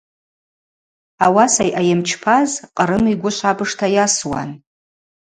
Ауаса йъайымчпаз Кърым йгвы швабыжта йасуан.